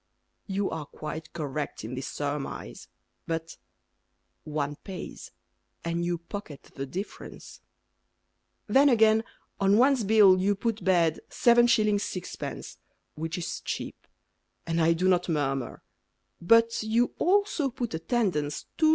You are quite correct in this surmise. But One pays, And you pocket the difference. Then, again, on one's bill You put Bed, 7s. 6d. Which is cheap; And I do not murmur; But you also put Attendance, 2s.